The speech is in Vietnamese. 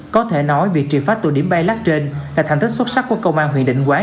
có thể nói việc triển phát tụi điểm bay lắc trên là thành thức xuất sắc của công an huyện định quán